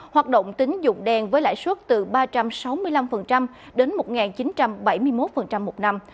hoạt động tính dụng đen với lãi suất từ ba trăm sáu mươi năm đến một chín trăm bảy mươi một một năm